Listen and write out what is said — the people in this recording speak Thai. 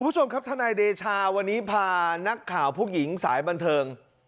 คุณผู้ชมครับทนายเดชาวันนี้พานักข่าวผู้หญิงสายบันเทิง